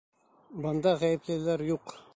Бында ғәйеплеләр юҡ.